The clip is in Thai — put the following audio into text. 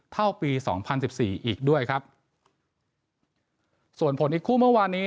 เท่าปีสองพันสิบสี่อีกด้วยครับส่วนผลอีกคู่เมื่อวานนี้